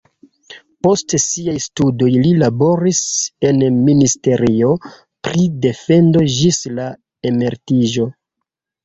Post siaj studoj li laboris en ministerio pri defendo ĝis la emeritiĝo.